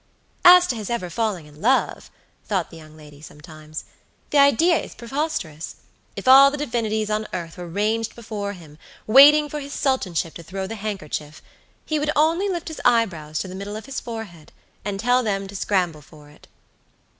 "As to his ever falling in love," thought the young lady sometimes, "the idea is preposterous. If all the divinities on earth were ranged before him, waiting for his sultanship to throw the handkerchief, he would only lift his eyebrows to the middle of his forehead, and tell them to scramble for it."